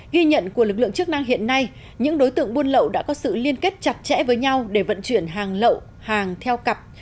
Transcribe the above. ghi nhận của lực lượng chức năng hiện nay những đối tượng buôn lậu đã có sự liên kết chặt chẽ với nhau để vận chuyển hàng lậu hàng theo cặp